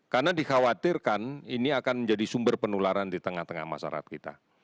karena dikhawatirkan ini akan menjadi sumber penularan di tengah tengah masyarakat kita